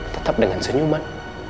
tetap dengan senyuman